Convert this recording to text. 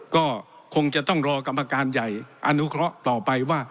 ก็คงจะต้องรอกรรมการใหญ่อนุเคราะห์ต่อไปว่า